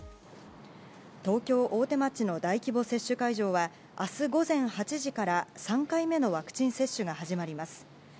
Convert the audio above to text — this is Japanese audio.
東京・大手町の大規模接種会場は明日午前８時から３回目のワクチン接種が始まります。